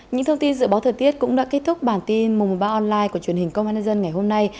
những thông tin dự báo thời tiết cũng đã kết thúc bản tin một trăm một mươi ba online của truyền hình công an nhân dân ngày hôm nay